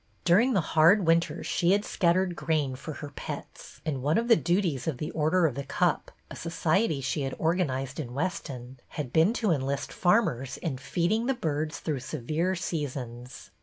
During the hard winters she had scattered grain for her pets; and one of the duties of the Order of the Cup, a society she had organized in Weston, had been to enlist farmers in feeding the birds through severe seasons.